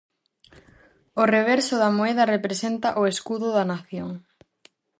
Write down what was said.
O reverso da moeda representa o escudo da nación.